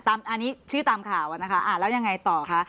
ตามอันนี้ชื่อตามข่าวอ่ะนะคะอ่าแล้วยังไงต่อค่ะ